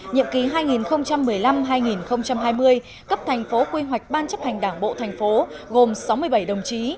nhiệm kỳ hai nghìn một mươi năm hai nghìn hai mươi cấp thành phố quy hoạch ban chấp hành đảng bộ thành phố gồm sáu mươi bảy đồng chí